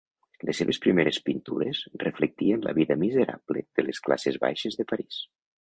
Les seves primeres pintures reflectien la vida miserable de les classes baixes de París.